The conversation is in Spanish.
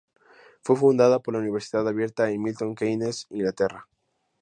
Fue fundada por la universidad abierta en Milton Keynes, Inglaterra.